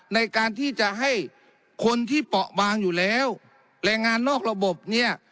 ในการที่จะให้คนที่เปาะบางอยู่แล้วแรงงานนอกระบบเนี่ย